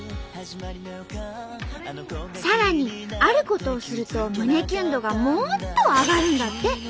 さらにあることをすると胸キュン度がもっと上がるんだって。